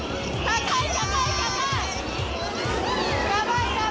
高い！